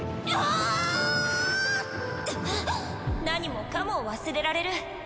何もかも忘れられる。